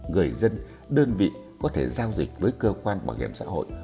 người dân đơn vị có thể giao dịch với cơ quan bảo hiểm xã hội